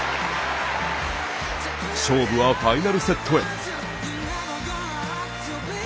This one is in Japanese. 勝負はファイナルセットへ。